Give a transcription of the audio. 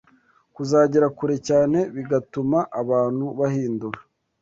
kuzagera kure cyane bigatuma abantu bahindura